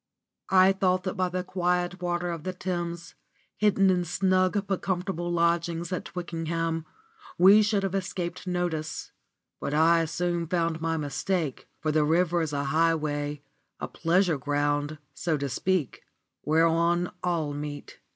I thought that by the quiet waters of the Thames, hidden in snug but comfortable lodgings at Twickenham, we should have escaped notice; but I soon found my mistake, for the river is a highway, a pleasure ground (so to speak) whereon all meet.